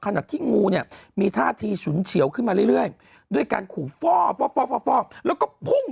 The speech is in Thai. ขณะที่งูเนี่ยมีท่าทีฉุนเฉียวขึ้นมาเรื่อยด้วยการขู่ฟ่อแล้วก็พุ่ง